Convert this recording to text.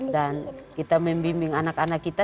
dan kita membimbing anak anak kita